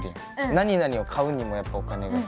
何何を買うにもやっぱお金が必要だし。